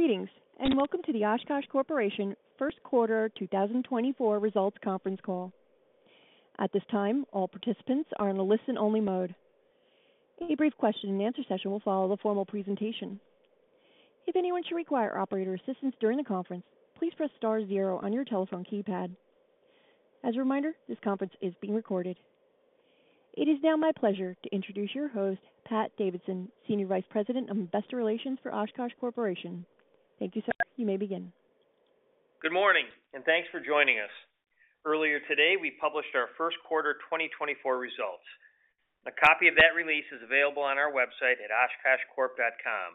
Greetings and welcome to the Oshkosh Corporation first quarter 2024 results conference call. At this time, all participants are in a listen-only mode. A brief question-and-answer session will follow the formal presentation. If anyone should require operator assistance during the conference, please press star zero on your telephone keypad. As a reminder, this conference is being recorded. It is now my pleasure to introduce your host, Pat Davidson, Senior Vice President and Investor Relations for Oshkosh Corporation. Thank you, sir. You may begin. Good morning, and thanks for joining us. Earlier today, we published our first quarter 2024 Results. A copy of that release is available on our website at oshkoshcorp.com.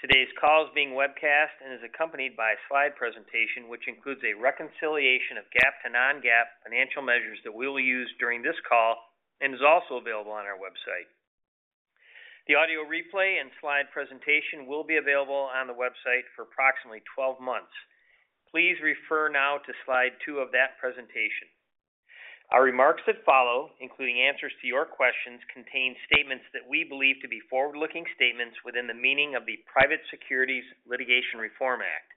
Today's call is being webcast and is accompanied by a slide presentation which includes a reconciliation of GAAP to non-GAAP financial measures that we will use during this call and is also available on our website. The audio replay and slide presentation will be available on the website for approximately 12 months. Please refer now to slide two of that presentation. Our remarks that follow, including answers to your questions, contain statements that we believe to be forward-looking statements within the meaning of the Private Securities Litigation Reform Act.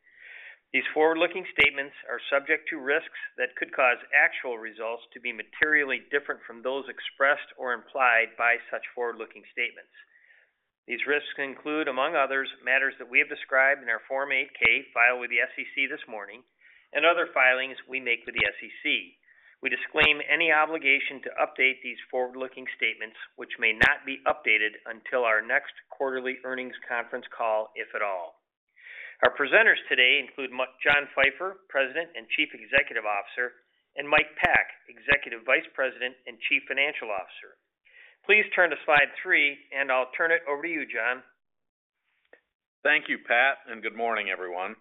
These forward-looking statements are subject to risks that could cause actual results to be materially different from those expressed or implied by such forward-looking statements. These risks include, among others, matters that we have described in our Form 8-K filed with the SEC this morning and other filings we make with the SEC. We disclaim any obligation to update these forward-looking statements which may not be updated until our next quarterly earnings conference call, if at all. Our presenters today include John Pfeifer, President and Chief Executive Officer, and Mike Pack, Executive Vice President and Chief Financial Officer. Please turn to slide three and I'll turn it over to you, John. Thank you, Pat, and good morning, everyone.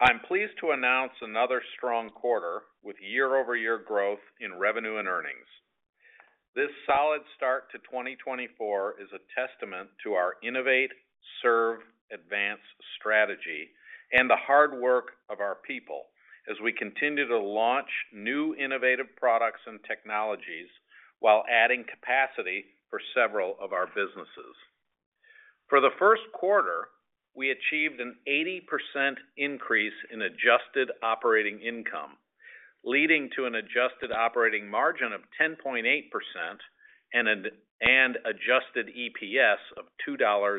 I'm pleased to announce another strong quarter with year-over-year growth in revenue and earnings. This solid start to 2024 is a testament to our Innovate. Serve. Advance. strategy and the hard work of our people as we continue to launch new innovative products and technologies while adding capacity for several of our businesses. For the first quarter, we achieved an 80% increase in adjusted operating income, leading to an adjusted operating margin of 10.8% and an adjusted EPS of $2.89.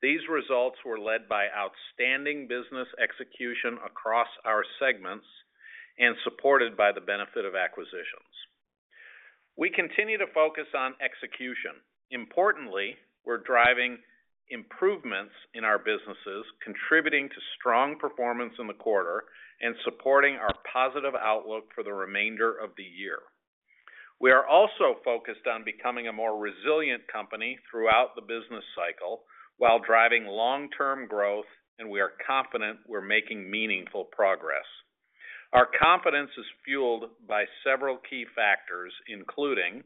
These results were led by outstanding business execution across our segments and supported by the benefit of acquisitions. We continue to focus on execution. Importantly, we're driving improvements in our businesses, contributing to strong performance in the quarter and supporting our positive outlook for the remainder of the year. We are also focused on becoming a more resilient company throughout the business cycle while driving long-term growth, and we are confident we're making meaningful progress. Our confidence is fueled by several key factors, including: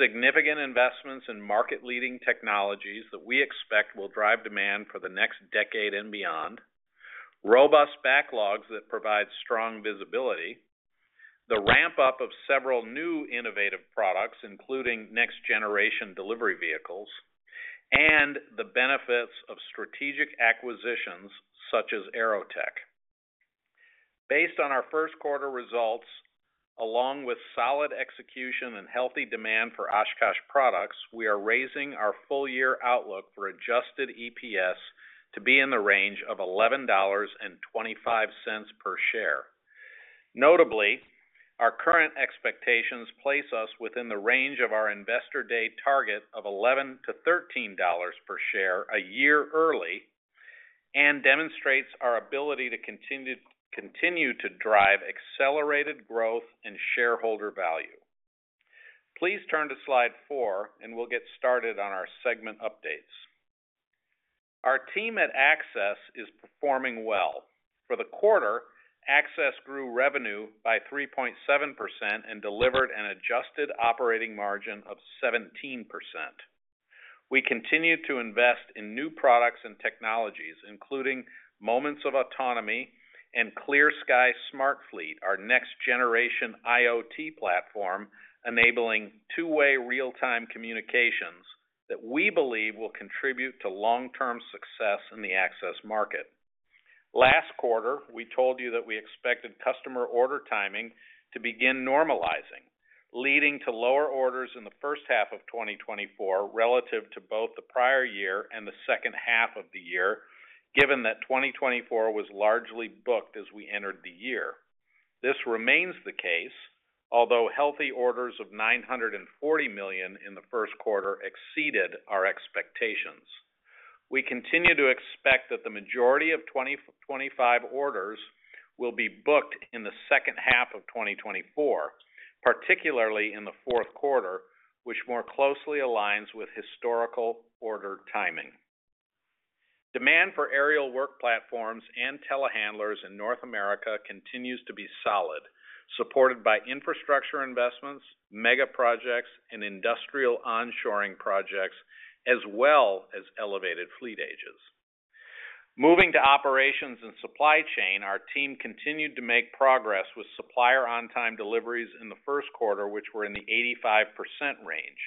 significant investments in market-leading technologies that we expect will drive demand for the next decade and beyond; robust backlogs that provide strong visibility; the ramp-up of several new innovative products, including next-generation delivery vehicles; and the benefits of strategic acquisitions such as AeroTech. Based on our First Quarter Results, along with solid execution and healthy demand for Oshkosh products, we are raising our full-year outlook for adjusted EPS to be in the range of $11.25 per share. Notably, our current expectations place us within the range of our Investor Day target of $11-$13 per share a year early and demonstrate our ability to continue to drive accelerated growth and shareholder value. Please turn to slide four and we'll get started on our segment updates. Our team at Access is performing well. For the quarter, Access grew revenue by 3.7% and delivered an adjusted operating margin of 17%. We continue to invest in new products and technologies, including Moments of Autonomy and ClearSky Smart Fleet, our next-generation IoT platform enabling two-way real-time communications that we believe will contribute to long-term success in the Access market. Last quarter, we told you that we expected customer order timing to begin normalizing, leading to lower orders in the first half of 2024 relative to both the prior year and the second half of the year, given that 2024 was largely booked as we entered the year. This remains the case, although healthy orders of $940 million in the first quarter exceeded our expectations. We continue to expect that the majority of 2025 orders will be booked in the second half of 2024, particularly in the fourth quarter, which more closely aligns with historical order timing. Demand for aerial work platforms and telehandlers in North America continues to be solid, supported by infrastructure investments, mega projects, and industrial onshoring projects, as well as elevated fleet ages. Moving to operations and supply chain, our team continued to make progress with supplier-on-time deliveries in the first quarter, which were in the 85% range.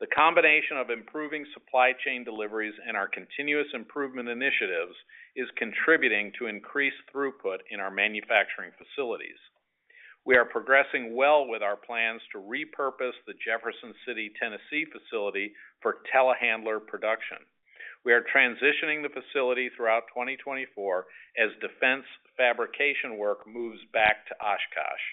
The combination of improving supply chain deliveries and our continuous improvement initiatives is contributing to increased throughput in our manufacturing facilities. We are progressing well with our plans to repurpose the Jefferson City, Tennessee facility for telehandler production. We are transitioning the facility throughout 2024 as Defense fabrication work moves back to Oshkosh.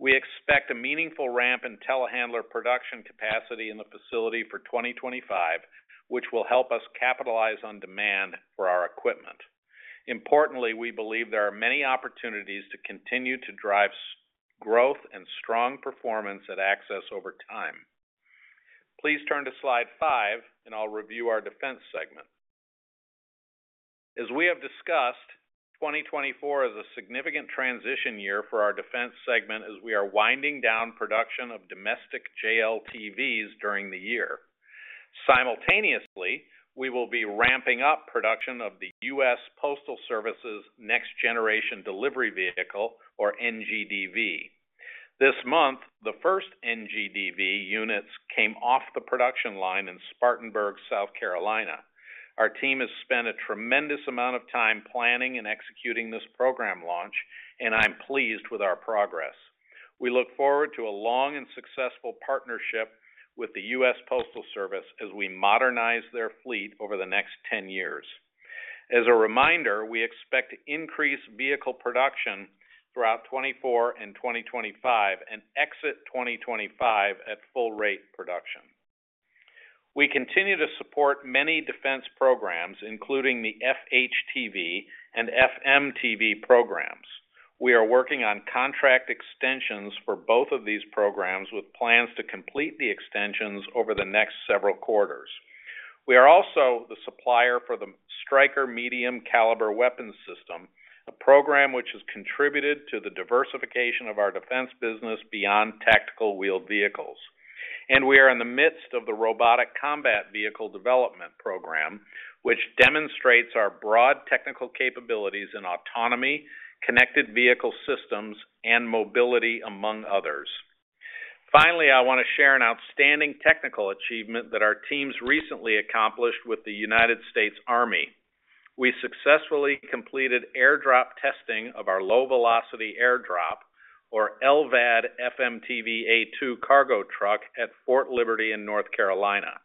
We expect a meaningful ramp in telehandler production capacity in the facility for 2025, which will help us capitalize on demand for our equipment. Importantly, we believe there are many opportunities to continue to drive growth and strong performance at Access over time. Please turn to slide 5 and I'll review our Defense segment. As we have discussed, 2024 is a significant transition year for our Defense segment as we are winding down production of domestic JLTVs during the year. Simultaneously, we will be ramping up production of the U.S. Postal Service's Next Generation Delivery Vehicle, or NGDV. This month, the first NGDV units came off the production line in Spartanburg, South Carolina. Our team has spent a tremendous amount of time planning and executing this program launch, and I'm pleased with our progress. We look forward to a long and successful partnership with the U.S. Postal Service as we modernize their fleet over the next 10 years. As a reminder, we expect to increase vehicle production throughout 2024 and 2025 and exit 2025 at full-rate production. We continue to support many Defense programs, including the FHTV and FMTV programs. We are working on contract extensions for both of these programs, with plans to complete the extensions over the next several quarters. We are also the supplier for the Stryker Medium Caliber Weapons System, a program which has contributed to the diversification of our Defense business beyond tactical-wheeled vehicles. We are in the midst of the Robotic Combat Vehicle Development Program, which demonstrates our broad technical capabilities in autonomy, connected vehicle systems, and mobility, among others. Finally, I want to share an outstanding technical achievement that our team has recently accomplished with the United States Army. We successfully completed airdrop testing of our low-velocity airdrop, or LVAD FMTV A2 cargo truck, at Fort Liberty, North Carolina.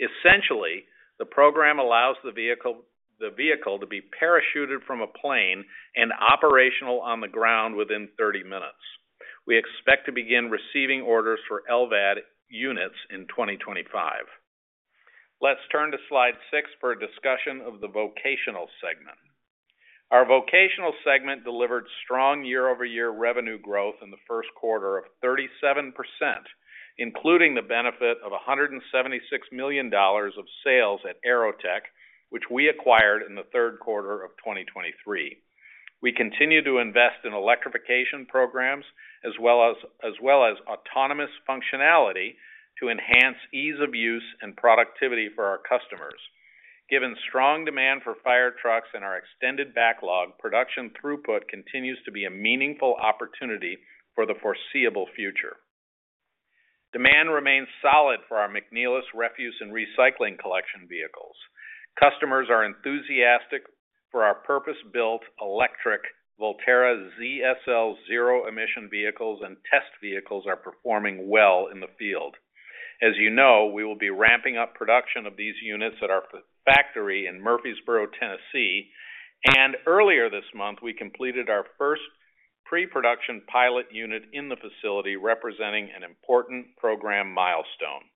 Essentially, the program allows the vehicle to be parachuted from a plane and operational on the ground within 30 minutes. We expect to begin receiving orders for LVAD units in 2025. Let's turn to slide six for a discussion of the Vocational segment. Our Vocational segment delivered strong year-over-year revenue growth in the first quarter of 37%, including the benefit of $176 million of sales at AeroTech, which we acquired in the third quarter of 2023. We continue to invest in electrification programs as well as autonomous functionality to enhance ease of use and productivity for our customers. Given strong demand for fire trucks and our extended backlog, production throughput continues to be a meaningful opportunity for the foreseeable future. Demand remains solid for our McNeilus refuse and recycling collection vehicles. Customers are enthusiastic for our purpose-built electric Volterra ZSL zero-emission vehicles, and test vehicles are performing well in the field. As you know, we will be ramping up production of these units at our factory in Murfreesboro, Tennessee, and earlier this month we completed our first pre-production pilot unit in the facility, representing an important program milestone.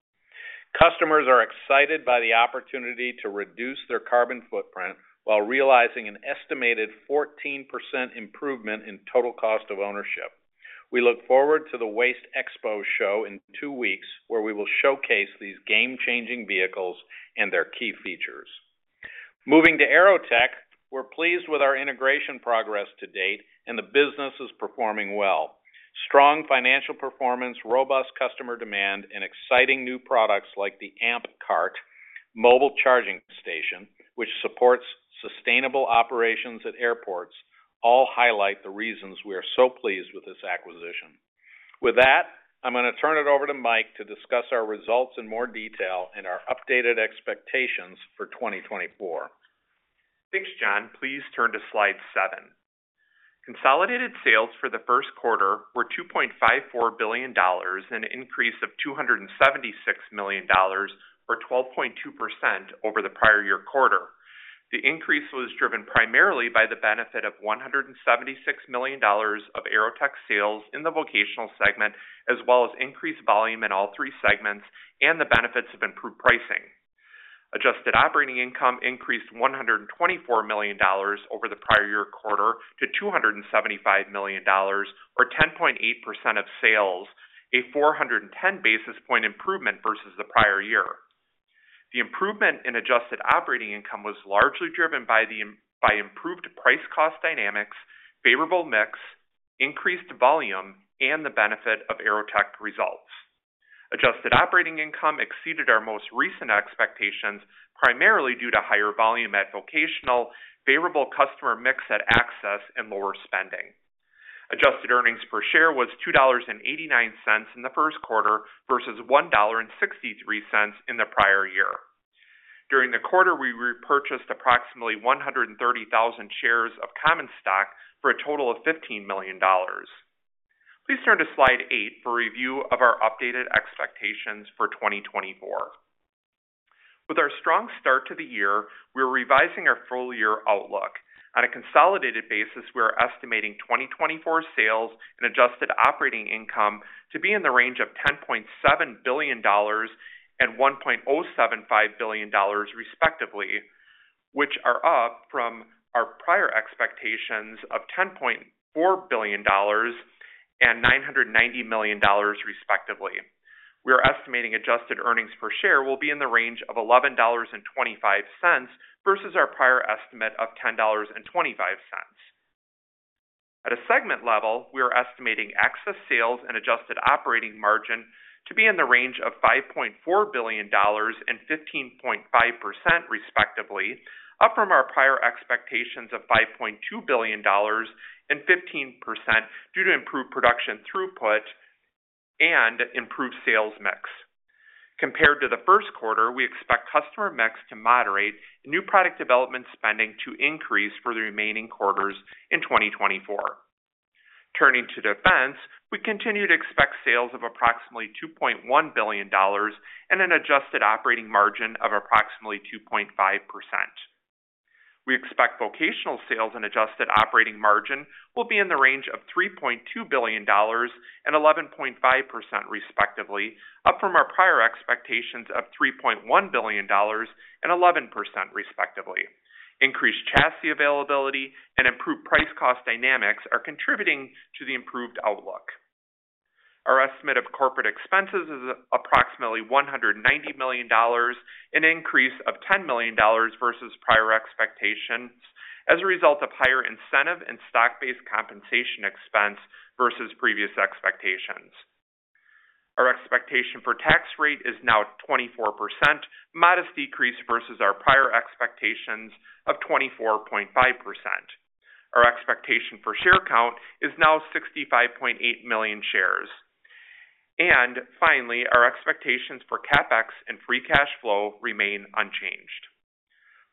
Customers are excited by the opportunity to reduce their carbon footprint while realizing an estimated 14% improvement in total cost of ownership. We look forward to the WasteExpo show in two weeks, where we will showcase these game-changing vehicles and their key features. Moving to AeroTech, we're pleased with our integration progress to date, and the business is performing well. Strong financial performance, robust customer demand, and exciting new products like the AmpCart mobile charging station, which supports sustainable operations at airports, all highlight the reasons we are so pleased with this acquisition. With that, I'm going to turn it over to Mike to discuss our results in more detail and our updated expectations for 2024. Thanks, John. Please turn to slide seven. Consolidated sales for the first quarter were $2.54 billion, an increase of $276 million, or 12.2% over the prior-year quarter. The increase was driven primarily by the benefit of $176 million of AeroTech sales in the Vocational segment, as well as increased volume in all three segments and the benefits of improved pricing. Adjusted operating income increased $124 million over the prior-year quarter to $275 million, or 10.8% of sales, a 410 basis point improvement versus the prior year. The improvement in adjusted operating income was largely driven by improved price-cost dynamics, favorable mix, increased volume, and the benefit of AeroTech results. Adjusted operating income exceeded our most recent expectations, primarily due to higher volume at vocational, favorable customer mix at Access, and lower spending. Adjusted earnings per share was $2.89 in the first quarter versus $1.63 in the prior year. During the quarter, we repurchased approximately 130,000 shares of common stock for a total of $15 million. Please turn to slide eight for a review of our updated expectations for 2024. With our strong start to the year, we are revising our full-year outlook. On a consolidated basis, we are estimating 2024 sales and adjusted operating income to be in the range of $10.7 billion and $1.075 billion, respectively, which are up from our prior expectations of $10.4 billion and $990 million, respectively. We are estimating adjusted earnings per share will be in the range of $11.25 versus our prior estimate of $10.25. At a segment level, we are estimating Access sales and adjusted operating margin to be in the range of $5.4 billion and 15.5%, respectively, up from our prior expectations of $5.2 billion and 15% due to improved production throughput and improved sales mix. Compared to the first quarter, we expect customer mix to moderate and new product development spending to increase for the remaining quarters in 2024. Turning to Defense, we continue to expect sales of approximately $2.1 billion and an adjusted operating margin of approximately 2.5%. We expect vocational sales and adjusted operating margin will be in the range of $3.2 billion and 11.5%, respectively, up from our prior expectations of $3.1 billion and 11%, respectively. Increased chassis availability and improved price-cost dynamics are contributing to the improved outlook. Our estimate of corporate expenses is approximately $190 million, an increase of $10 million versus prior expectations, as a result of higher incentive and stock-based compensation expense versus previous expectations. Our expectation for tax rate is now 24%, a modest decrease versus our prior expectations of 24.5%. Our expectation for share count is now 65.8 million shares. Finally, our expectations for CapEx and Free Cash Flow remain unchanged.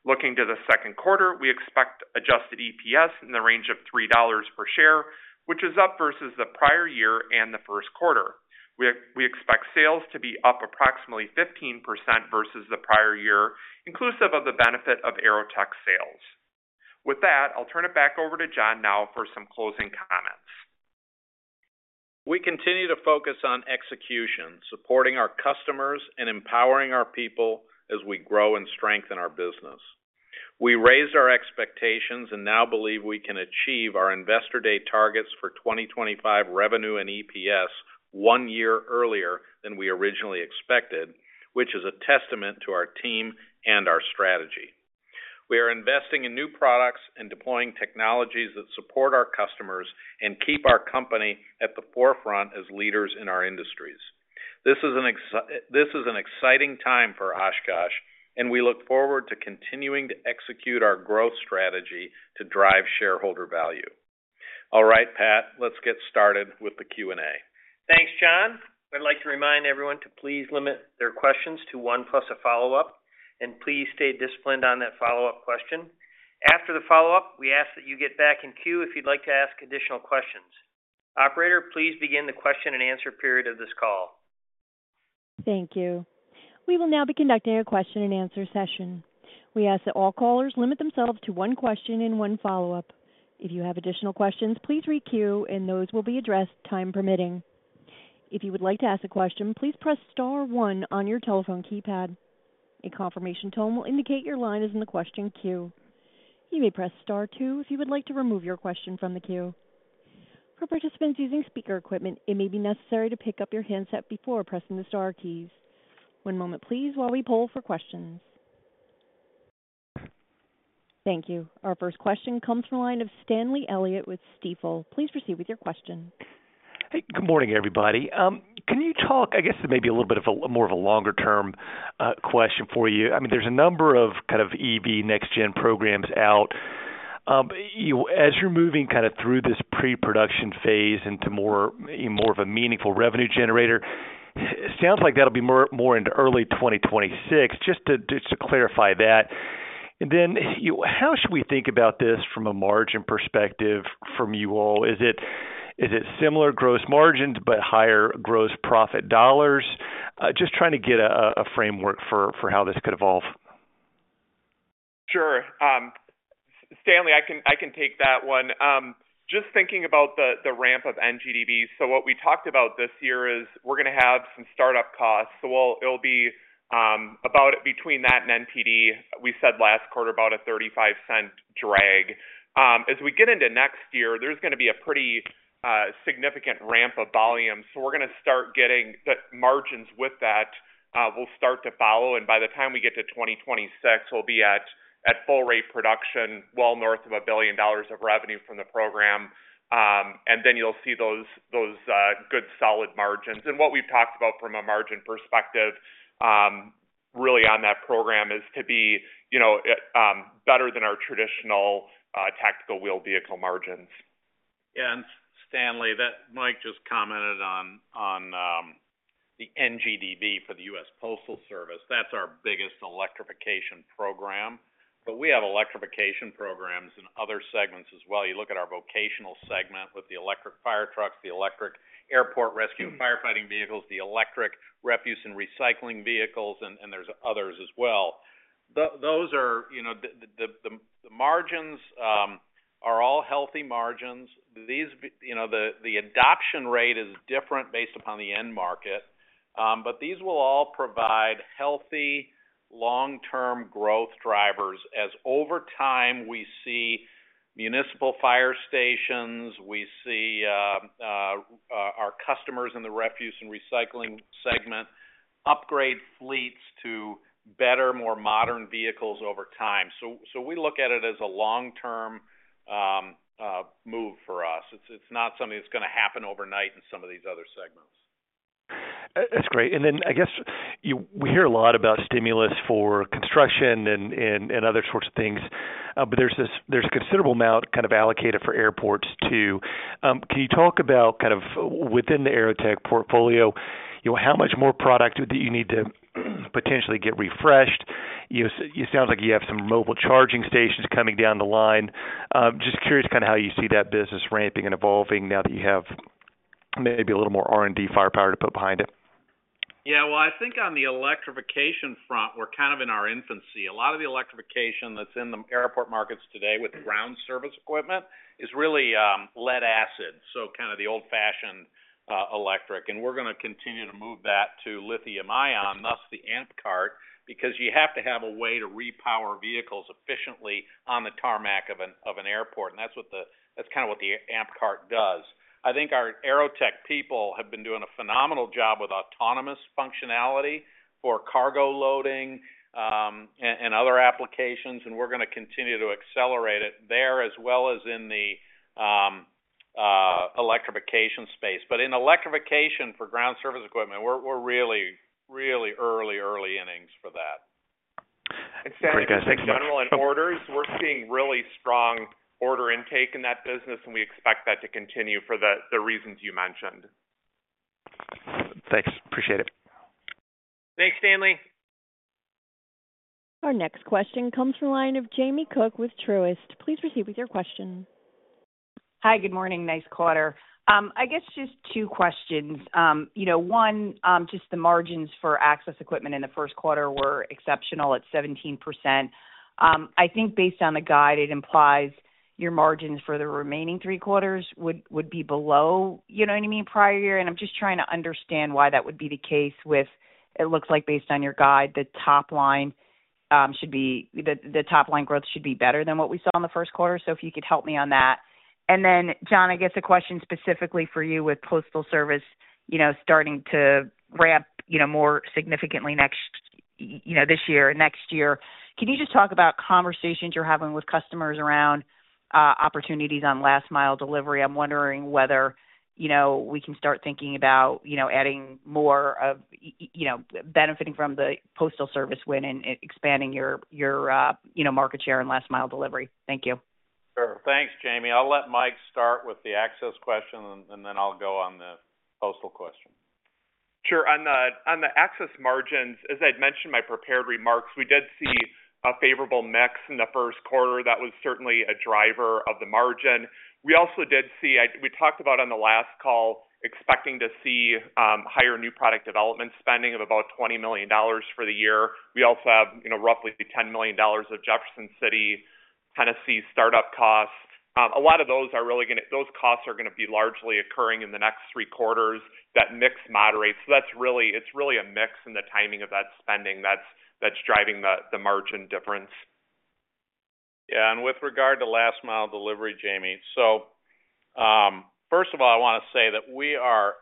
Looking to the second quarter, we expect Adjusted EPS in the range of $3 per share, which is up versus the prior year and the first quarter. We expect sales to be up approximately 15% versus the prior year, inclusive of the benefit of AeroTech sales. With that, I'll turn it back over to John now for some closing comments. We continue to focus on execution, supporting our customers and empowering our people as we grow and strengthen our business. We raised our expectations and now believe we can achieve our Investor Day targets for 2025 revenue and EPS one year earlier than we originally expected, which is a testament to our team and our strategy. We are investing in new products and deploying technologies that support our customers and keep our company at the forefront as leaders in our industries. This is an exciting time for Oshkosh, and we look forward to continuing to execute our growth strategy to drive shareholder value. All right, Pat, let's get started with the Q&A. Thanks, John. I'd like to remind everyone to please limit their questions to one plus a follow-up, and please stay disciplined on that follow-up question. After the follow-up, we ask that you get back in queue if you'd like to ask additional questions. Operator, please begin the question and answer period of this call. Thank you. We will now be conducting a question and answer session. We ask that all callers limit themselves to one question and one follow-up. If you have additional questions, please re-queue, and those will be addressed time permitting. If you would like to ask a question, please press star one on your telephone keypad. A confirmation tone will indicate your line is in the question queue. You may press star two if you would like to remove your question from the queue. For participants using speaker equipment, it may be necessary to pick up your handset before pressing the star keys. One moment, please, while we pull for questions. Thank you. Our first question comes from a line of Stanley Elliott with Stifel. Please proceed with your question. Hey, good morning, everybody. Can you talk? I guess it may be a little bit of a more of a longer-term question for you. I mean, there's a number of kind of EV next-gen programs out. You as you're moving kind of through this pre-production phase into more, you know, more of a meaningful revenue generator, it sounds like that'll be more, more into early 2026, just to, just to clarify that. And then, you know, how should we think about this from a margin perspective from you all? Is it, is it similar gross margins but higher gross profit dollars? Just trying to get a, a framework for, for how this could evolve. Sure. Stanley, I can take that one. Just thinking about the ramp of NGDVs, so what we talked about this year is we're going to have some startup costs, so we'll, it'll be about between that and NGDV, we said last quarter about a $0.35 drag. As we get into next year, there's going to be a pretty significant ramp of volume, so we're going to start getting the margins with that, will start to follow, and by the time we get to 2026, we'll be at full-rate production, well north of $1 billion of revenue from the program. And then you'll see those good solid margins. And what we've talked about from a margin perspective, really on that program is to be, you know, better than our traditional tactical-wheeled vehicle margins. Yeah, and Stanley, that Mike just commented on, on the NGDV for the U.S. Postal Service. That's our biggest electrification program. But we have electrification programs in other segments as well. You look at our vocational segment with the electric fire trucks, the electric airport rescue and firefighting vehicles, the electric refuse and recycling vehicles, and there's others as well. Those are, you know, the margins are all healthy margins. These, you know, the adoption rate is different based upon the end market, but these will all provide healthy long-term growth drivers as over time we see municipal fire stations, we see our customers in the refuse and recycling segment upgrade fleets to better, more modern vehicles over time. So we look at it as a long-term move for us. It's not something that's going to happen overnight in some of these other segments. That's great. And then I guess, you know, we hear a lot about stimulus for construction and other sorts of things, but there's a considerable amount kind of allocated for airports too. Can you talk about kind of within the AeroTech portfolio, you know, how much more product that you need to potentially get refreshed? You know, it sounds like you have some mobile charging stations coming down the line. Just curious kind of how you see that business ramping and evolving now that you have maybe a little more R&D firepower to put behind it. Yeah, well, I think on the electrification front, we're kind of in our infancy. A lot of the electrification that's in the airport markets today with ground service equipment is really lead-acid, so kind of the old-fashioned electric. And we're going to continue to move that to lithium-ion, thus the AmpCart, because you have to have a way to repower vehicles efficiently on the tarmac of an airport, and that's kind of what the AmpCart does. I think our AeroTech people have been doing a phenomenal job with autonomous functionality for cargo loading and other applications, and we're going to continue to accelerate it there as well as in the electrification space. But in electrification for ground service equipment, we're really early innings for that. Stanley, thank you. Great, guys. Thanks, John. In general and orders, we're seeing really strong order intake in that business, and we expect that to continue for the reasons you mentioned. Thanks. Appreciate it. Thanks, Stanley. Our next question comes from a line of Jamie Cook with Truist. Please proceed with your question. Hi, good morning. Nice quarter. I guess just two questions. You know, one, just the margins for Access equipment in the first quarter were exceptional at 17%. I think based on the guide, it implies your margins for the remaining three quarters would, would be below, you know what I mean, prior year, and I'm just trying to understand why that would be the case with it looks like based on your guide, the top line should be the, the top line growth should be better than what we saw in the first quarter, so if you could help me on that. And then, John, I guess a question specifically for you with Postal Service, you know, starting to ramp, you know, more significantly next, you know, this year and next year. Can you just talk about conversations you're having with customers around opportunities on last-mile delivery? I'm wondering whether, you know, we can start thinking about, you know, adding more of, you know, benefiting from the Postal Service win and expanding your market share in last-mile delivery. Thank you. Sure. Thanks, Jamie. I'll let Mike start with the Access question, and then I'll go on the Postal question. Sure. On the Access margins, as I had mentioned in my prepared remarks, we did see a favorable mix in the first quarter. That was certainly a driver of the margin. We also did see. I, we talked about on the last call expecting to see higher new product development spending of about $20 million for the year. We also have, you know, roughly $10 million of Jefferson City, Tennessee startup costs. A lot of those are really going to those costs are going to be largely occurring in the next three quarters. That mix moderates. So that's really. It's really a mix and the timing of that spending that's driving the margin difference. Yeah, and with regard to last-mile delivery, Jamie, so, first of all, I want to say that we are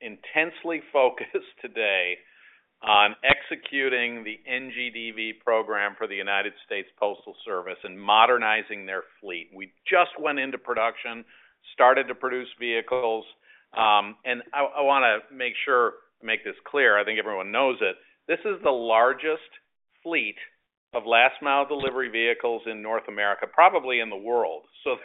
intensely focused today on executing the NGDV program for the United States Postal Service and modernizing their fleet. We just went into production, started to produce vehicles, and I want to make sure to make this clear. I think everyone knows it. This is the largest fleet of last-mile delivery vehicles in North America, probably in the world. So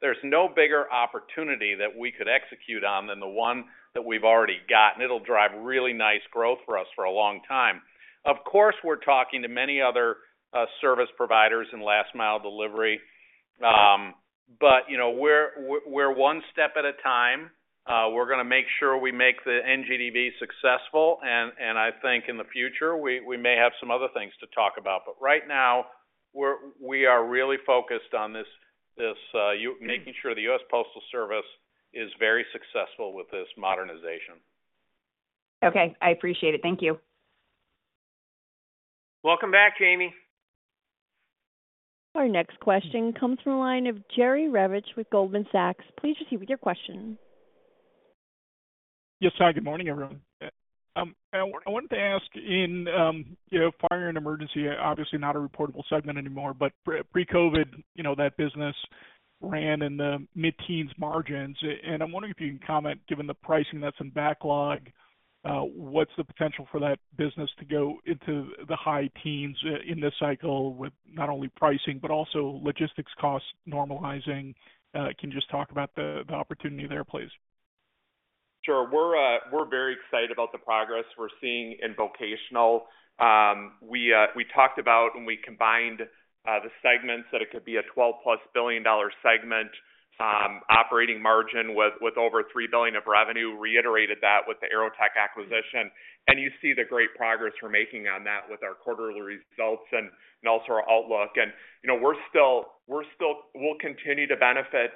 there's no bigger opportunity that we could execute on than the one that we've already got, and it'll drive really nice growth for us for a long time. Of course, we're talking to many other service providers in last-mile delivery, but, you know, we're one step at a time. We're going to make sure we make the NGDV successful, and I think in the future, we may have some other things to talk about. But right now, we're really focused on this, you making sure the U.S. Postal Service is very successful with this modernization. Okay. I appreciate it. Thank you. Welcome back, Jamie. Our next question comes from a line of Jerry Revich with Goldman Sachs. Please proceed with your question. Yes, hi. Good morning, everyone. I wanted to ask in, you know, fire and emergency, obviously not a reportable segment anymore, but pre-COVID, you know, that business ran in the mid-teens margins, and I'm wondering if you can comment, given the pricing that's in backlog, what's the potential for that business to go into the high teens, in this cycle with not only pricing but also logistics costs normalizing. Can you just talk about the opportunity there, please? Sure. We're very excited about the progress we're seeing in Vocational. We talked about when we combined the segments that it could be a $12+ billion segment, operating margin with over $3 billion of revenue, reiterated that with the AeroTech acquisition. And you see the great progress we're making on that with our quarterly results and also our outlook. And, you know, we're still. We'll continue to benefit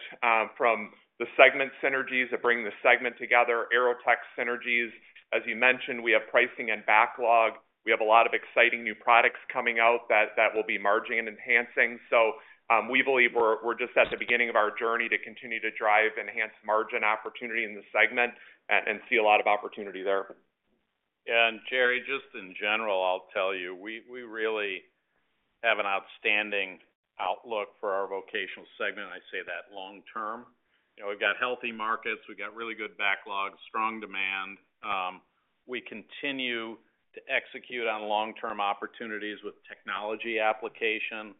from the segment synergies that bring the segment together, AeroTech synergies. As you mentioned, we have pricing in backlog. We have a lot of exciting new products coming out that will be margin enhancing. So, we believe we're just at the beginning of our journey to continue to drive enhanced margin opportunity in the segment and see a lot of opportunity there. Yeah, and Jerry, just in general, I'll tell you, we really have an outstanding outlook for our vocational segment, and I say that long term. You know, we've got healthy markets. We've got really good backlogs, strong demand. We continue to execute on long-term opportunities with technology application.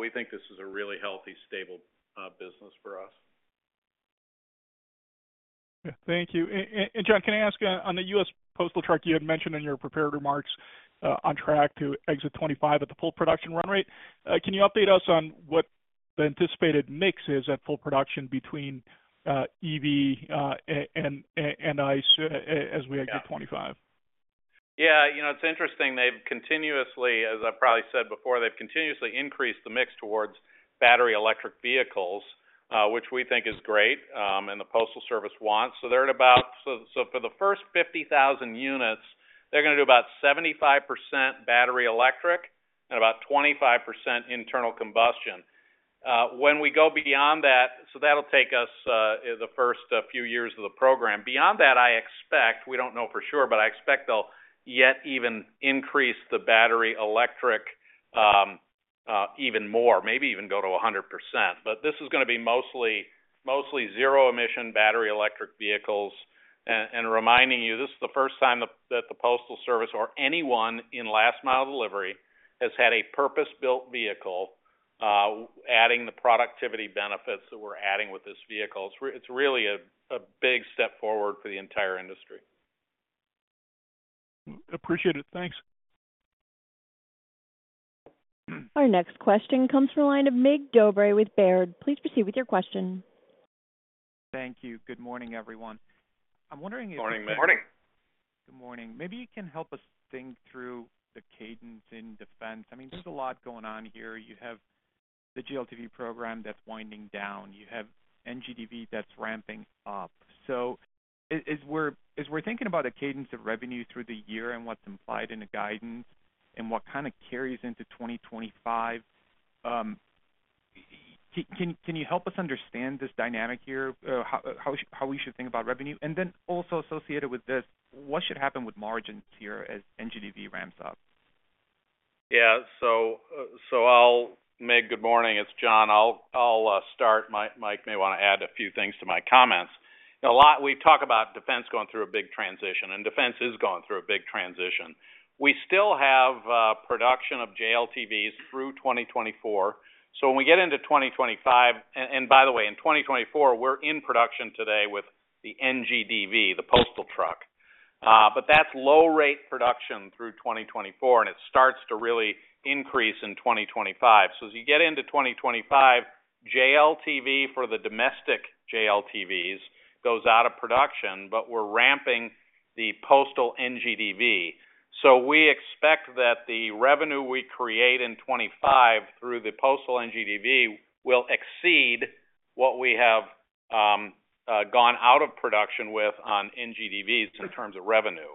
We think this is a really healthy, stable business for us. Yeah, thank you. John, can I ask, on the U.S. Postal Truck you had mentioned in your prepared remarks, on track to exit 2025 at the full production run rate, can you update us on what the anticipated mix is at full production between EV and ICE as we exit 2025? Yeah. Yeah, you know, it's interesting. They've continuously, as I've probably said before, they've continuously increased the mix towards battery electric vehicles, which we think is great, and the Postal Service wants. So they're at about, so for the first 50,000 units, they're going to do about 75% battery electric and about 25% internal combustion. When we go beyond that, so that'll take us the first few years of the program. Beyond that, I expect we don't know for sure, but I expect they'll yet even increase the battery electric even more, maybe even go to 100%. But this is going to be mostly, mostly zero-emission battery electric vehicles. And reminding you, this is the first time that the Postal Service or anyone in last-mile delivery has had a purpose-built vehicle, adding the productivity benefits that we're adding with this vehicle. It's really a big step forward for the entire industry. Appreciate it. Thanks. Our next question comes from a line of Mig Dobre with Baird. Please proceed with your question. Thank you. Good morning, everyone. I'm wondering if. Morning, Mig. Morning. Good morning. Maybe you can help us think through the cadence in defense. I mean, there's a lot going on here. You have the JLTV program that's winding down. You have NGDV that's ramping up. So as we're thinking about a cadence of revenue through the year and what's implied in the guidance and what kind of carries into 2025, can you help us understand this dynamic here, how we should think about revenue? And then also associated with this, what should happen with margins here as NGDV ramps up? Yeah, so I'll, Mig, good morning. It's John. I'll start. Mike may want to add a few things to my comments. You know, a lot we talk about defense going through a big transition, and defense is going through a big transition. We still have production of JLTVs through 2024. So when we get into 2025 and, by the way, in 2024, we're in production today with the NGDV, the Postal Truck. But that's low-rate production through 2024, and it starts to really increase in 2025. So as you get into 2025, JLTV for the domestic JLTVs goes out of production, but we're ramping the Postal NGDV. So we expect that the revenue we create in 2025 through the Postal NGDV will exceed what we have gone out of production with on NGDVs in terms of revenue.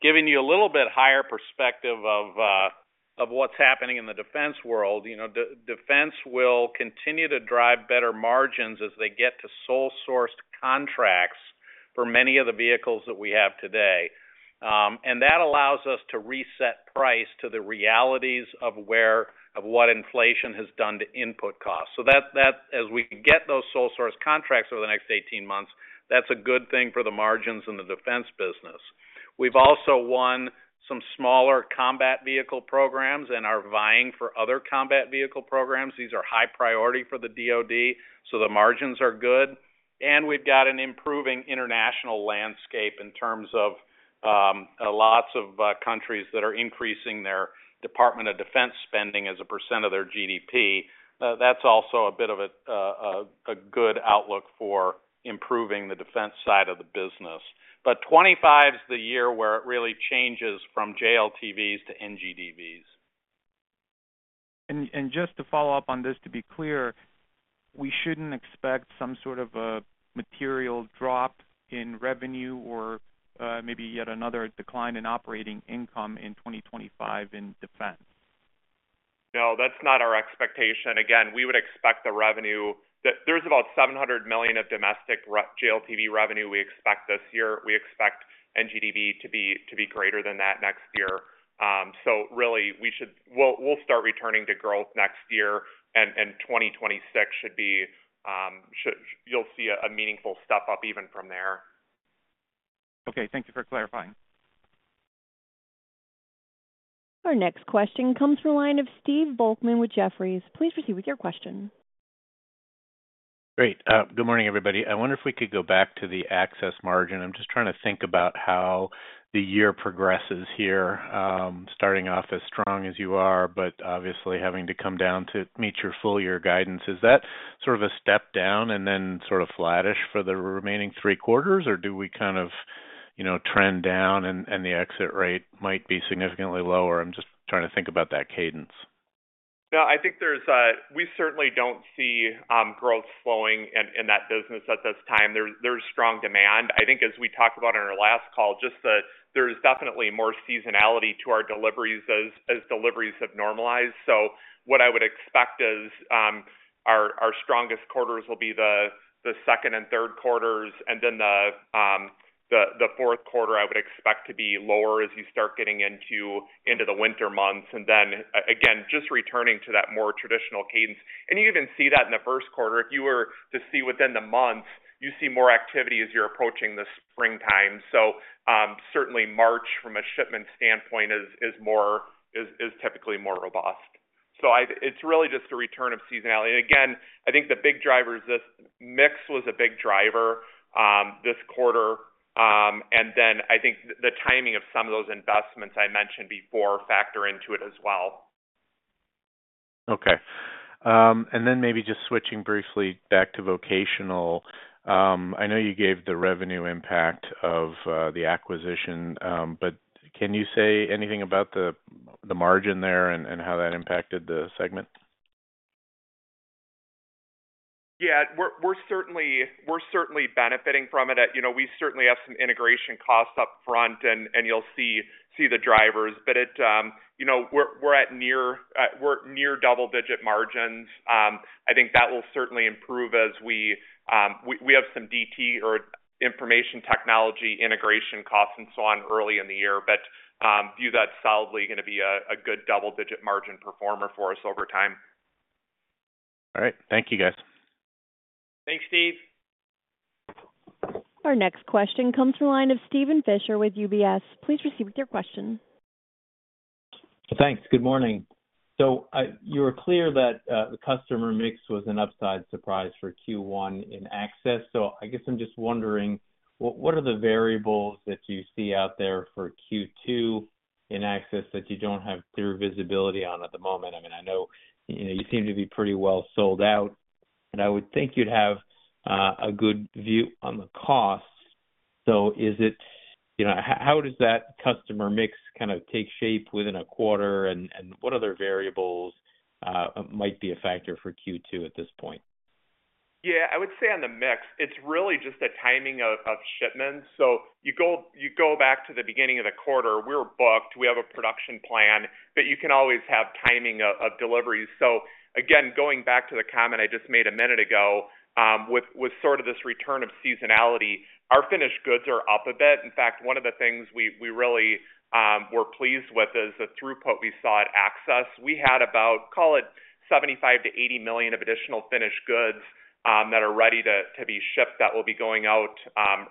Giving you a little bit higher perspective of what's happening in the defense world, you know, defense will continue to drive better margins as they get to sole-sourced contracts for many of the vehicles that we have today. That allows us to reset price to the realities of what inflation has done to input costs. So that as we get those sole-sourced contracts over the next 18 months, that's a good thing for the margins in the defense business. We've also won some smaller combat vehicle programs and are vying for other combat vehicle programs. These are high priority for the DOD, so the margins are good. We've got an improving international landscape in terms of lots of countries that are increasing their Department of Defense spending as a percent of their GDP. That's also a bit of a good outlook for improving the defense side of the business. But 2025's the year where it really changes from JLTVs to NGDVs. And just to follow up on this, to be clear, we shouldn't expect some sort of a material drop in revenue or, maybe yet another decline in operating income in 2025 in defense? No, that's not our expectation. Again, we would expect the revenue. That there's about $700 million of domestic JLTV revenue we expect this year. We expect NGDV to be greater than that next year. So really, we'll start returning to growth next year, and 2026 should be. You'll see a meaningful step up even from there. Okay. Thank you for clarifying. Our next question comes from a line of Steve Volkmann with Jefferies. Please proceed with your question. Great. Good morning, everybody. I wonder if we could go back to the Access margin. I'm just trying to think about how the year progresses here, starting off as strong as you are, but obviously having to come down to meet your full-year guidance. Is that sort of a step down and then sort of flattish for the remaining three quarters, or do we kind of, you know, trend down and, and the exit rate might be significantly lower? I'm just trying to think about that cadence. Yeah, I think there's we certainly don't see growth slowing in that business at this time. There's strong demand. I think as we talked about on our last call, just, there's definitely more seasonality to our deliveries as deliveries have normalized. So what I would expect is, our strongest quarters will be the second and third quarters, and then the fourth quarter I would expect to be lower as you start getting into the winter months. And then, again, just returning to that more traditional cadence. And you even see that in the first quarter. If you were to see within the months, you see more activity as you're approaching the springtime. So, certainly, March from a shipment standpoint is typically more robust. So, it's really just a return of seasonality. Again, I think the big drivers this mix was a big driver, this quarter, and then I think the timing of some of those investments I mentioned before factor into it as well. Okay. And then maybe just switching briefly back to vocational, I know you gave the revenue impact of the acquisition, but can you say anything about the margin there and how that impacted the segment? Yeah, we're certainly benefiting from it. You know, we certainly have some integration costs up front, and you'll see the drivers. But it, you know, we're near double-digit margins. I think that will certainly improve as we have some IT or information technology integration costs and so on early in the year, but I view that solidly going to be a good double-digit margin performer for us over time. All right. Thank you, guys. Thanks, Steve. Our next question comes from a line of Steven Fisher with UBS. Please proceed with your question. Thanks. Good morning. So, you were clear that the customer mix was an upside surprise for Q1 in Access. So I guess I'm just wondering, what are the variables that you see out there for Q2 in Access that you don't have clear visibility on at the moment? I mean, I know, you know, you seem to be pretty well sold out, and I would think you'd have a good view on the costs. So is it, you know, how does that customer mix kind of take shape within a quarter, and what other variables might be a factor for Q2 at this point? Yeah, I would say on the mix, it's really just the timing of shipments. So you go back to the beginning of the quarter. We're booked. We have a production plan, but you can always have timing of deliveries. So again, going back to the comment I just made a minute ago, with sort of this return of seasonality, our finished goods are up a bit. In fact, one of the things we really were pleased with is the throughput we saw at Access. We had about, call it $75 million-$80 million of additional finished goods that are ready to be shipped that will be going out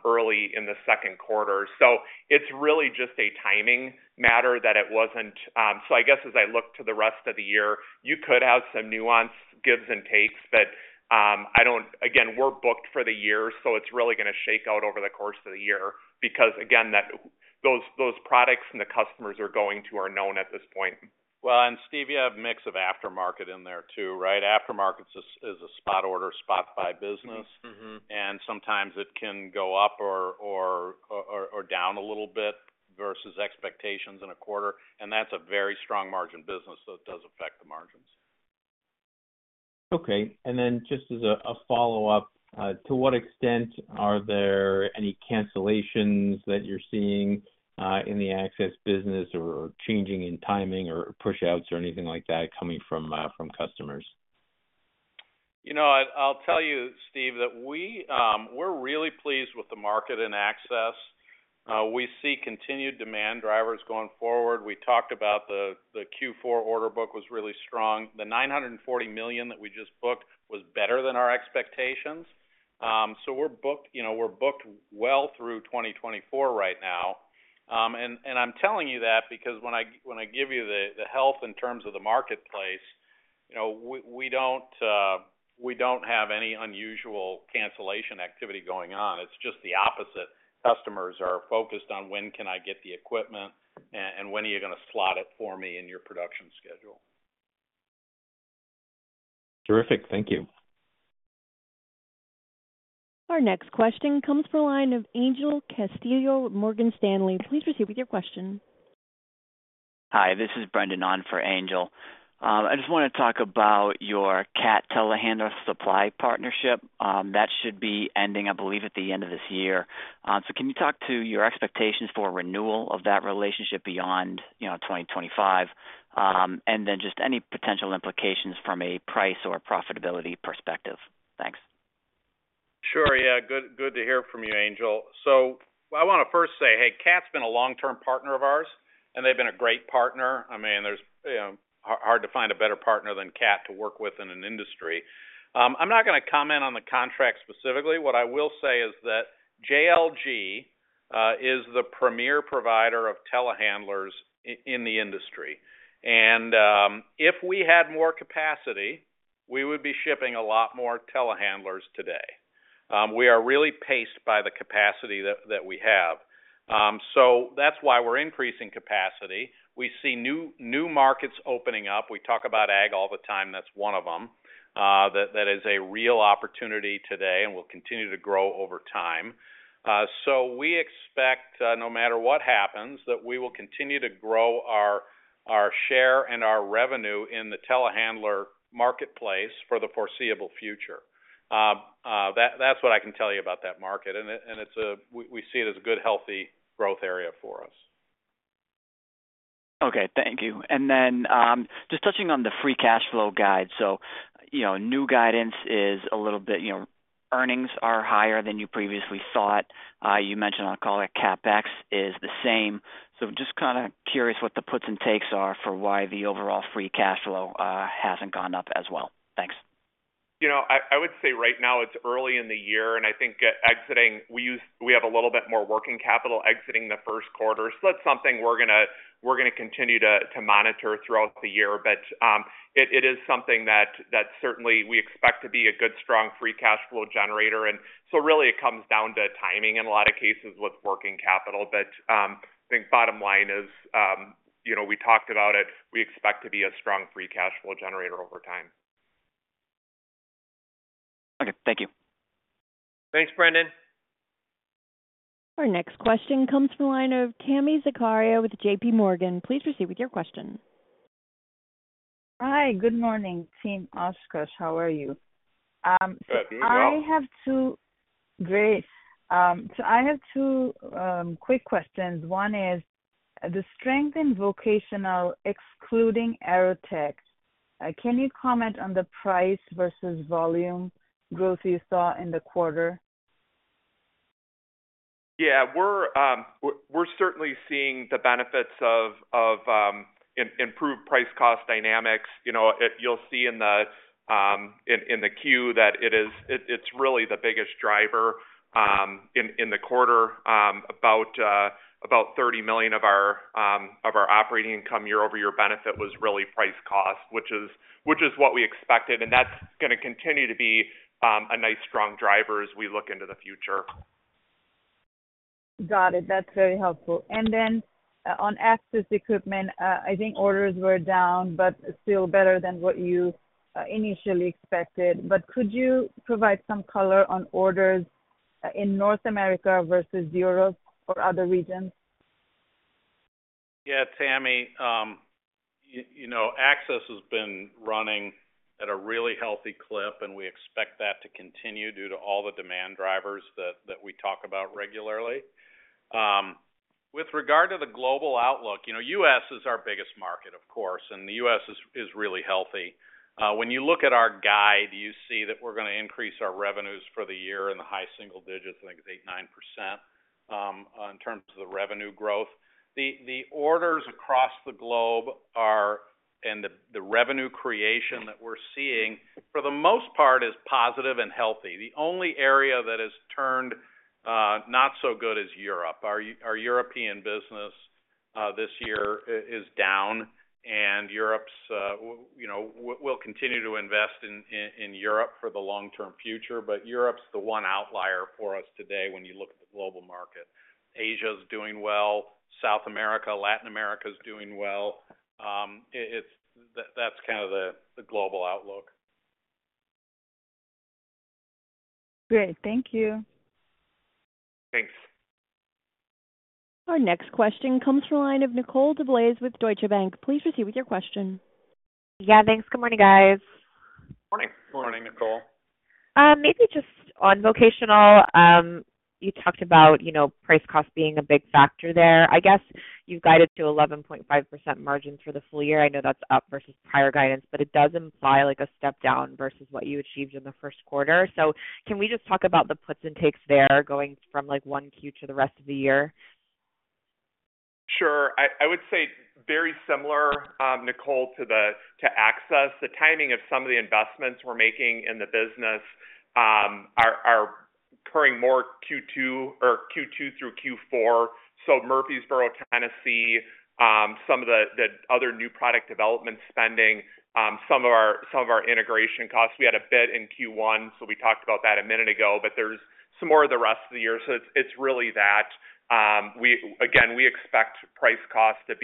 early in the second quarter. So it's really just a timing matter that it wasn't. So I guess as I look to the rest of the year, you could have some nuanced gives and takes, but I don't again, we're booked for the year, so it's really going to shake out over the course of the year because again, those products and the customers we're going to are known at this point. Well, and Steve, you have a mix of aftermarket in there too, right? Aftermarket's a spot order, spot-buy business. Mm-hmm. Sometimes it can go up or down a little bit versus expectations in a quarter. That's a very strong margin business, so it does affect the margins. Okay. And then just as a follow-up, to what extent are there any cancellations that you're seeing in the Access business or changing in timing or pushouts or anything like that coming from customers? You know, I'll tell you, Steve, that we, we're really pleased with the market in Access. We see continued demand drivers going forward. We talked about the Q4 order book was really strong. The $940 million that we just booked was better than our expectations. So we're booked you know, we're booked well through 2024 right now. And, and I'm telling you that because when I give you the health in terms of the marketplace, you know, we, we don't, we don't have any unusual cancellation activity going on. It's just the opposite. Customers are focused on when can I get the equipment, and, and when are you going to slot it for me in your production schedule? Terrific. Thank you. Our next question comes from a line of Angel Castillo with Morgan Stanley. Please proceed with your question. Hi. This is Brendan O'Neil for Angel. I just want to talk about your Cat telehandler supply partnership. That should be ending, I believe, at the end of this year. So can you talk to your expectations for renewal of that relationship beyond, you know, 2025, and then just any potential implications from a price or profitability perspective? Thanks. Sure. Yeah, good, good to hear from you, Angel. So I want to first say, hey, Cat's been a long-term partner of ours, and they've been a great partner. I mean, there's, you know, hard, hard to find a better partner than Cat to work with in an industry. I'm not going to comment on the contract specifically. What I will say is that JLG is the premier provider of telehandlers in the industry. If we had more capacity, we would be shipping a lot more telehandlers today. We are really paced by the capacity that, that we have. So that's why we're increasing capacity. We see new, new markets opening up. We talk about ag all the time. That's one of them, that, that is a real opportunity today, and we'll continue to grow over time. So we expect, no matter what happens, that we will continue to grow our share and our revenue in the telehandler marketplace for the foreseeable future. That's what I can tell you about that market. And it's an area we see as a good, healthy growth area for us. Okay. Thank you. And then, just touching on the free cash flow guide. So, you know, new guidance is a little bit you know, earnings are higher than you previously thought. You mentioned I'll call it CapEx is the same. So just kind of curious what the puts and takes are for why the overall free cash flow hasn't gone up as well. Thanks. You know, I would say right now, it's early in the year, and I think, exiting, we usually have a little bit more working capital exiting the first quarter. So that's something we're going to continue to monitor throughout the year. But it is something that certainly we expect to be a good, strong free cash flow generator. And so really, it comes down to timing in a lot of cases with working capital. But I think bottom line is, you know, we talked about it. We expect to be a strong free cash flow generator over time. Okay. Thank you. Thanks, Brendan. Our next question comes from a line of Tami Zakaria with J.P. Morgan. Please proceed with your question. Hi. Good morning, team Oshkosh. How are you? Good. You as well. I have two quick questions. One is, the strength in vocational excluding AeroTech. Can you comment on the price versus volume growth you saw in the quarter? Yeah. We're certainly seeing the benefits of improved price-cost dynamics. You know, it you'll see in the Q that it's really the biggest driver in the quarter, about $30 million of our operating income year-over-year benefit was really price-cost, which is what we expected. And that's going to continue to be a nice, strong driver as we look into the future. Got it. That's very helpful. And then, on Access equipment, I think orders were down but still better than what you initially expected. But could you provide some color on orders in North America versus Europe or other regions? Yeah, Tammy, you know, Access has been running at a really healthy clip, and we expect that to continue due to all the demand drivers that we talk about regularly. With regard to the global outlook, you know, U.S. is our biggest market, of course, and the U.S. is really healthy. When you look at our guide, you see that we're going to increase our revenues for the year in the high single digits. I think it's 8-9%, in terms of the revenue growth. The orders across the globe are and the revenue creation that we're seeing, for the most part, is positive and healthy. The only area that has turned not so good is Europe. Our European business this year is down, and Europe's, you know, we'll continue to invest in Europe for the long-term future. But Europe's the one outlier for us today when you look at the global market. Asia's doing well. South America, Latin America's doing well. It's, that's kind of the global outlook. Great. Thank you. Thanks. Our next question comes from a line of Nicole DeBlase with Deutsche Bank. Please proceed with your question. Yeah, thanks. Good morning, guys. Morning. Good morning, Nicole. Maybe just on vocational, you talked about, you know, price-cost being a big factor there. I guess you've guided to 11.5% margins for the full year. I know that's up versus prior guidance, but it does imply, like, a step down versus what you achieved in the first quarter. So can we just talk about the puts and takes there going from, like, Q1 to the rest of the year? Sure. I would say very similar, Nicole, to the Access. The timing of some of the investments we're making in the business are occurring more Q2 or Q2 through Q4. So Murfreesboro, Tennessee, some of the other new product development spending, some of our integration costs. We had a bid in Q1, so we talked about that a minute ago. But there's some more of the rest of the year. So it's really that. We again expect price-cost to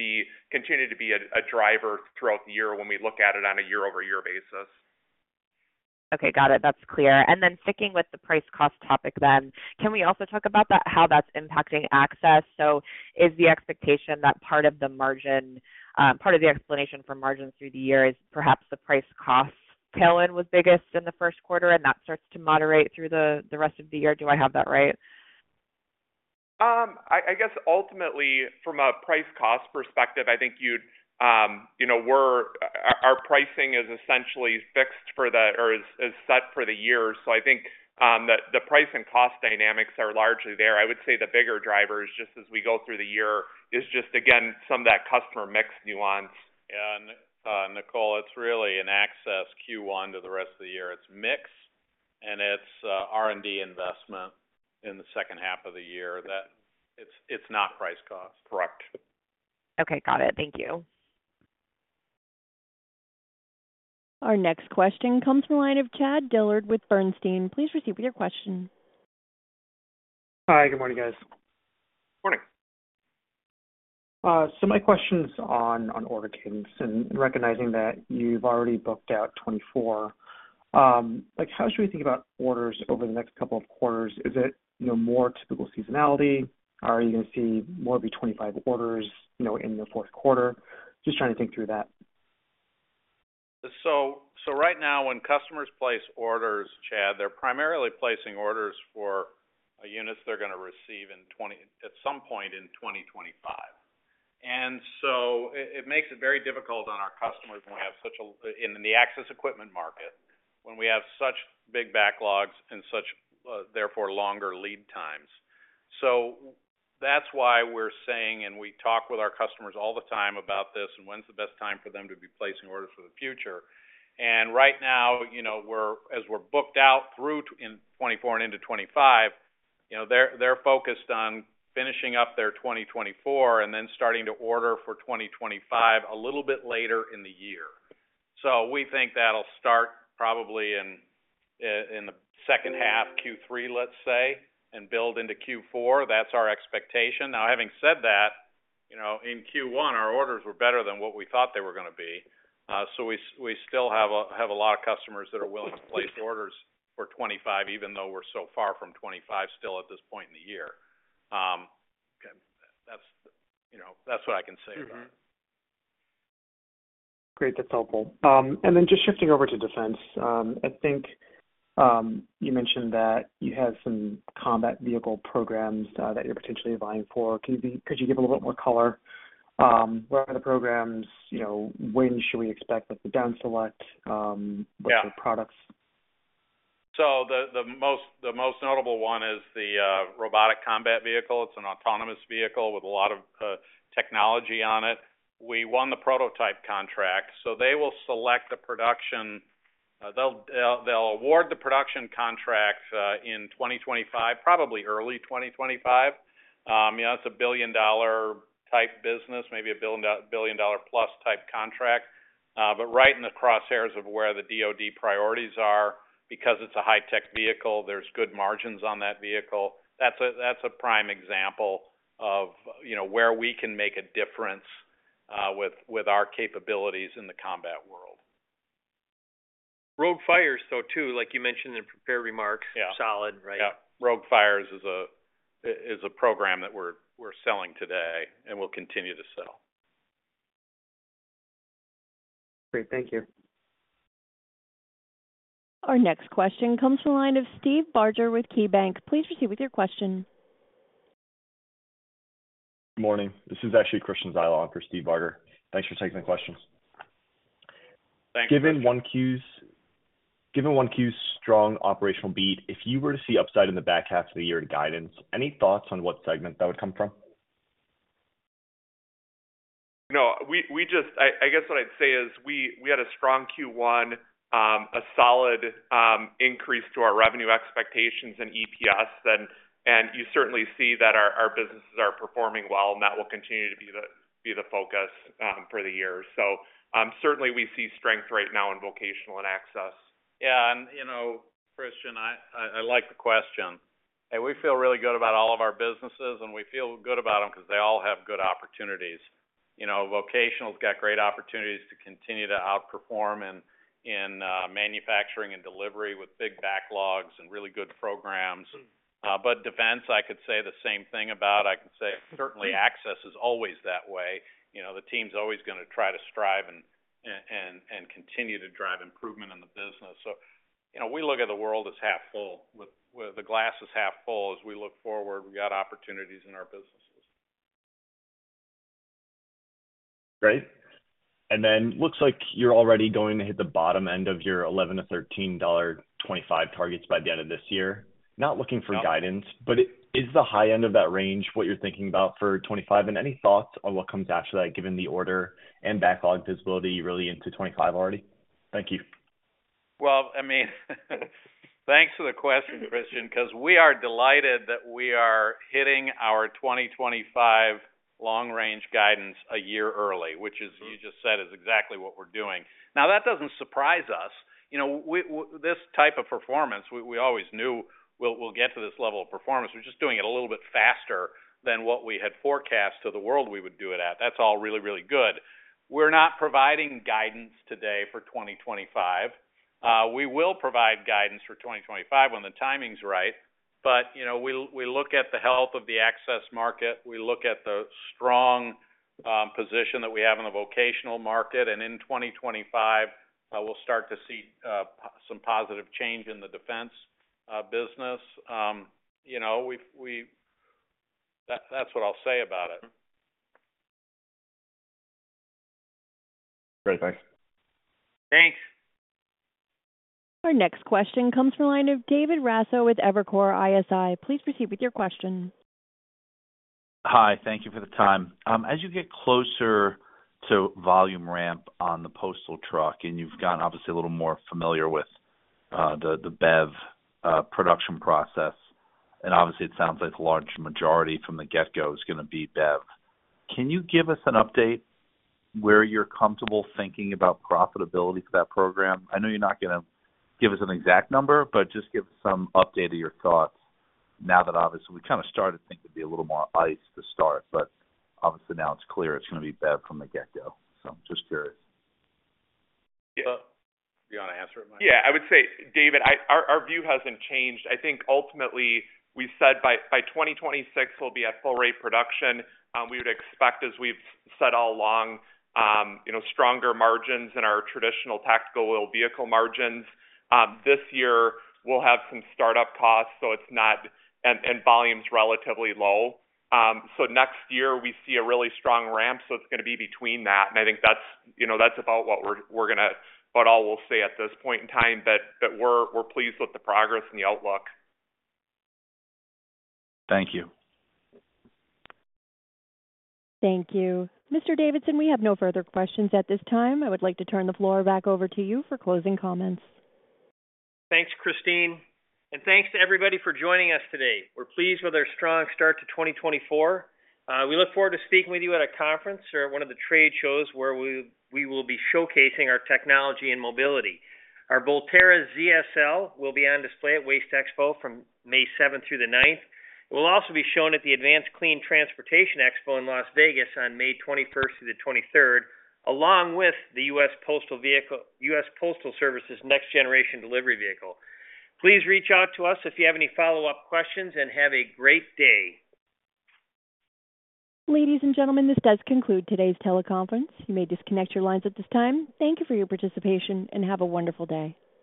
continue to be a driver throughout the year when we look at it on a year-over-year basis. Okay. Got it. That's clear. And then sticking with the price-cost topic then, can we also talk about that how that's impacting Access? So is the expectation that part of the margin part of the explanation for margins through the year is perhaps the price-cost tailwind was biggest in the first quarter, and that starts to moderate through the rest of the year? Do I have that right? I guess ultimately, from a price-cost perspective, I think you'd, you know, our pricing is essentially fixed for the year or is set for the year. So I think that the price and cost dynamics are largely there. I would say the bigger drivers just as we go through the year is just, again, some of that customer mix nuance. Nicole, it's really in Access Q1 to the rest of the year. It's mix, and it's R&D investment in the second half of the year. That's not price-cost. Correct. Okay. Got it. Thank you. Our next question comes from a line of Chad Dillard with Bernstein. Please proceed with your question. Hi. Good morning, guys. Morning. My question's on order cadence and recognizing that you've already booked out 2024, like, how should we think about orders over the next couple of quarters? Is it, you know, more typical seasonality? Are you going to see more of your 2025 orders, you know, in the fourth quarter? Just trying to think through that. So right now, when customers place orders, Chad, they're primarily placing orders for units they're going to receive in 2024 at some point in 2025. And so it makes it very difficult on our customers when we have such long lead times in the Access equipment market, when we have such big backlogs and such, therefore, longer lead times. So that's why we're saying and we talk with our customers all the time about this and when's the best time for them to be placing orders for the future. And right now, you know, we're booked out through the end of 2024 and into 2025, you know, they're focused on finishing up their 2024 and then starting to order for 2025 a little bit later in the year. So we think that'll start probably in the second half, Q3, let's say, and build into Q4. That's our expectation. Now, having said that, you know, in Q1, our orders were better than what we thought they were going to be. So we still have a lot of customers that are willing to place orders for 25 even though we're so far from 25 still at this point in the year. Okay. That's, you know, that's what I can say about it. Mm-hmm. Great. That's helpful. And then just shifting over to defense, I think, you mentioned that you have some combat vehicle programs that you're potentially vying for. Could you give a little bit more color? What are the programs? You know, when should we expect the down select? What's your products? Yeah. So the most notable one is the Robotic Combat Vehicle. It's an autonomous vehicle with a lot of technology on it. We won the prototype contract. So they will select a production they'll award the production contract in 2025, probably early 2025. You know, it's a billion-dollar type business, maybe a billion-dollar-plus type contract. But right in the crosshairs of where the DOD priorities are because it's a high-tech vehicle, there's good margins on that vehicle. That's a prime example of, you know, where we can make a difference with our capabilities in the combat world. ROGUE Fires, so too, like you mentioned in prepared remarks. Yeah. Solid, right? Yeah. ROGUE Fires is a program that we're selling today and we'll continue to sell. Great. Thank you. Our next question comes from a line of Steve Barger with KeyBanc. Please proceed with your question. Good morning. This is actually Christian Zyla for Steve Barger. Thanks for taking the questions. Thank you. Given OSK's strong operational beat, if you were to see upside in the back half of the year to guidance, any thoughts on what segment that would come from? No. We just, I guess what I'd say is we had a strong Q1, a solid increase to our revenue expectations and EPS then. And you certainly see that our businesses are performing well, and that will continue to be the focus for the year. So, certainly, we see strength right now in vocational and Access. Yeah. And, you know, Christian, I like the question. Hey, we feel really good about all of our businesses, and we feel good about them because they all have good opportunities. You know, Vocational's got great opportunities to continue to outperform in manufacturing and delivery with big backlogs and really good programs. But defense, I could say the same thing about. I can say certainly, Access is always that way. You know, the team's always going to try to strive and continue to drive improvement in the business. So, you know, we look at the world as half full. With the glass is half full as we look forward. We got opportunities in our businesses. Great. And then looks like you're already going to hit the bottom end of your $11-$13 2025 targets by the end of this year. Not looking for guidance, but is the high end of that range what you're thinking about for 2025? And any thoughts on what comes after that given the order and backlog visibility really into 2025 already? Thank you. Well, I mean, thanks for the question, Christian, because we are delighted that we are hitting our 2025 long-range guidance a year early, which is you just said is exactly what we're doing. Now, that doesn't surprise us. You know, we this type of performance, we always knew we'll get to this level of performance. We're just doing it a little bit faster than what we had forecast to the world we would do it at. That's all really, really good. We're not providing guidance today for 2025. We will provide guidance for 2025 when the timing's right. But, you know, we look at the health of the Access market. We look at the strong position that we have in the vocational market. And in 2025, we'll start to see some positive change in the defense business. You know, that's what I'll say about it. Great. Thanks. Thanks. Our next question comes from a line of David Raso with Evercore ISI. Please proceed with your question. Hi. Thank you for the time. As you get closer to volume ramp on the postal truck and you've gotten, obviously, a little more familiar with the BEV production process, and obviously, it sounds like the large majority from the get-go is going to be BEV, can you give us an update where you're comfortable thinking about profitability for that program? I know you're not going to give us an exact number, but just give us some update of your thoughts now that, obviously, we kind of started thinking it'd be a little more ICE to start. But obviously, now it's clear it's going to be BEV from the get-go, so just curious. Yeah. Do you want to answer it, Mike? Yeah. I would say, David, our view hasn't changed. I think ultimately, we said by 2026, we'll be at full-rate production. We would expect, as we've said all along, you know, stronger margins in our traditional tactical wheeled vehicle margins. This year, we'll have some startup costs, so it's not, and volume's relatively low. So next year, we see a really strong ramp, so it's going to be between that. And I think that's, you know, that's about all we'll say at this point in time. But we're pleased with the progress and the outlook. Thank you. Thank you. Mr. Davidson, we have no further questions at this time. I would like to turn the floor back over to you for closing comments. Thanks, Christine. Thanks to everybody for joining us today. We're pleased with our strong start to 2024. We look forward to speaking with you at a conference or at one of the trade shows where we will be showcasing our technology and mobility. Our Volterra ZSL will be on display at WasteExpo from May 7th through the 9th. It will also be shown at the Advanced Clean Transportation Expo in Las Vegas on May 21st through the 23rd along with the U.S. Postal Service's Next Generation Delivery Vehicle. Please reach out to us if you have any follow-up questions, and have a great day. Ladies and gentlemen, this does conclude today's teleconference. You may disconnect your lines at this time. Thank you for your participation, and have a wonderful day.